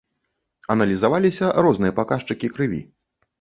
Аналізаваліся розныя паказчыкі крыві.